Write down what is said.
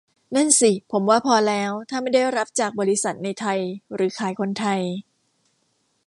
นั่นสิ ผมว่าพอแล้ว ถ้าไม่ได้รับจากบริษัทในไทยหรือขายคนไทย